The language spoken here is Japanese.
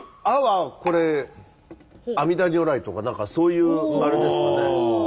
阿はこれ阿弥陀如来とか何かそういうあれですかね？